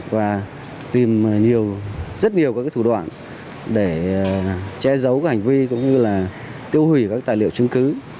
và tìm rất nhiều các thủ đoạn để che giấu hành vi cũng như tiêu hủy các tài liệu chứng cứ